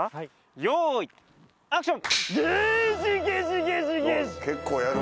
用意アクション！